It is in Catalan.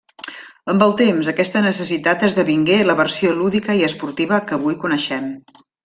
Amb el temps aquesta necessitat esdevingué la versió lúdica i esportiva que avui coneixem.